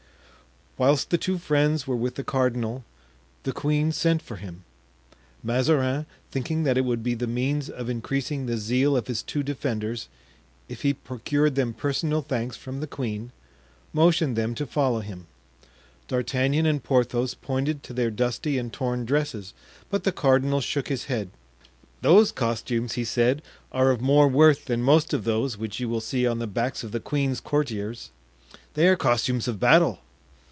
Whilst the two friends were with the cardinal, the queen sent for him. Mazarin, thinking that it would be the means of increasing the zeal of his two defenders if he procured them personal thanks from the queen, motioned them to follow him. D'Artagnan and Porthos pointed to their dusty and torn dresses, but the cardinal shook his head. "Those costumes," he said, "are of more worth than most of those which you will see on the backs of the queen's courtiers; they are costumes of battle."